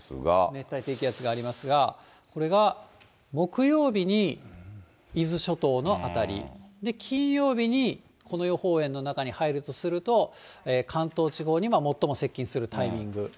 熱帯低気圧がありますが、これが木曜日に伊豆諸島の辺り、金曜日にこの予報円の中に入るとすると、関東地方に最も接近するタイミング。